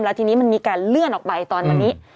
แล้วทีนี้มันมีการเลื่อนออกไปตอนวันนี้